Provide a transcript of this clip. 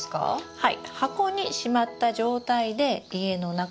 はい。